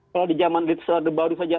kalau di zaman liutsus orde baru saja